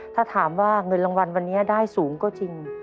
ถ้าถามว่าเงินรางวัลวันนี้ได้สูงก็จริง